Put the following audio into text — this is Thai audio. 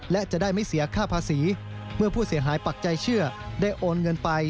และจะได้ไม่เสียค่าภาษีเมื่อผู้เสียหายปักใจเชื่อได้โอนเงินไป